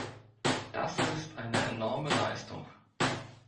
Das ist eine enorme Leistung.